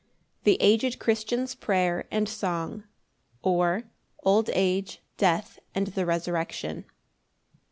The aged Christian's prayer and song; or, Old age, death, and the resurrection.